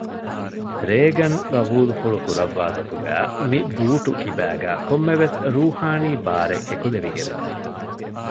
ރޭގަން ޤަބޫލު ފުޅު ކުރައްވާ ގޮތުގައި މި ބޫޓު ކިބައިގައި ކޮންމެވެސް ރޫޙާނީ ބާރެއް އެކުލެވިގެން ވެ